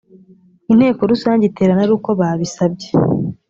inteko rusange iterana ari uko babisabye